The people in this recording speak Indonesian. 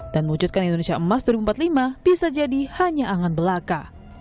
mewujudkan indonesia emas dua ribu empat puluh lima bisa jadi hanya angan belaka